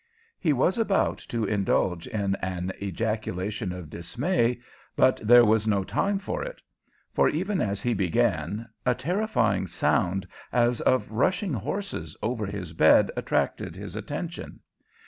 He was about to indulge in an ejaculation of dismay, but there was no time for it, for, even as he began, a terrifying sound, as of rushing horses, over his bed attracted his attention.